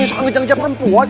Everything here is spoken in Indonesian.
yang suka ngejek ngejek perempuan